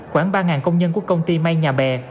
khoảng ba công nhân của công ty may nhà bè